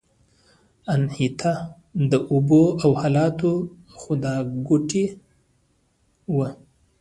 اناهیتا د اوبو او حاصلاتو خدایګوټې وه